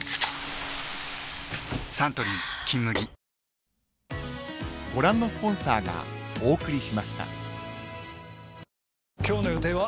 サントリー「金麦」今日の予定は？